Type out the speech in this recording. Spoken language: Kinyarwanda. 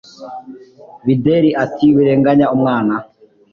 Bideri ati Wirenganya umwana